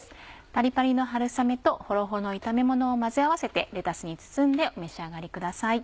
パリパリの春雨とほろほろの炒め物を混ぜ合わせてレタスに包んでお召し上がりください。